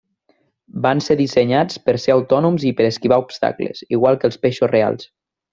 Van ser dissenyats per ser autònoms i per esquivar obstacles, igual que els peixos reals.